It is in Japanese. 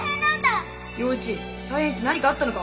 陽一大変って何かあったのか？